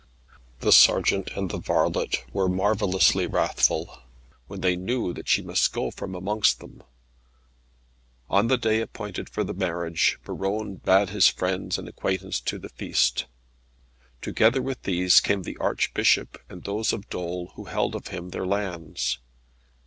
The sergeant and the varlet were marvellously wrathful, when they knew that she must go from amongst them. On the day appointed for the marriage, Buron bade his friends and acquaintance to the feast. Together with these came the Archbishop, and those of Dol who held of him their lands.